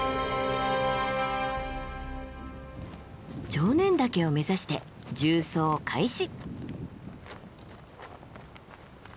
常念岳を目指して縦走開始。